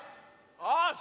よし！